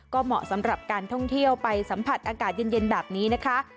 ก็เหมาะสำหรับการท่องเที่ยวไปสัมผัสอากาศเย็นแบบนี้นะคะ